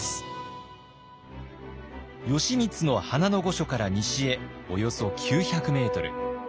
義満の花の御所から西へおよそ９００メートル。